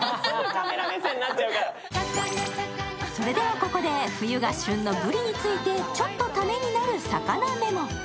それでは、ここで冬が旬のブリについてちょっとためになる魚メモ。